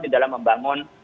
di dalam membangun